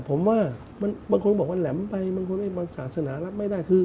ผมว่าบางคนบอกว่าแหลมไปบางคนบางศาสนารับไม่ได้คือ